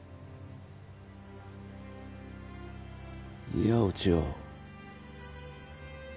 いいやお千代。